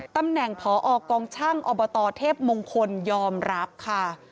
ตำแหน่งพอกองช่างอบตเทพมงคลยอมรับค่ะ